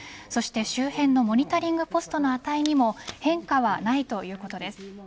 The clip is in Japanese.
そして周辺のモニタリングポストの値にも変化はないということです。